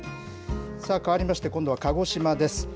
かわりまして、今度は鹿児島です。